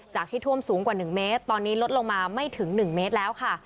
ที่ท่วมสูงกว่า๑เมตรตอนนี้ลดลงมาไม่ถึง๑เมตรแล้วค่ะ